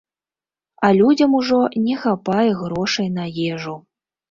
А людзям ужо не хапае грошай на ежу.